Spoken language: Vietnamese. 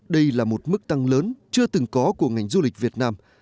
đây là một mức tăng lớn chưa từng có của ngành du lịch việt nam